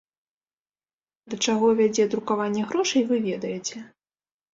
Да чаго вядзе друкаванне грошай, вы ведаеце.